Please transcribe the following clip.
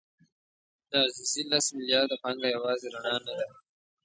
د عزیزي لس میلیارده پانګه یوازې رڼا نه ده.